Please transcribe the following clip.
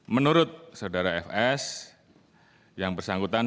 menurut saudara fs yang bersangkutan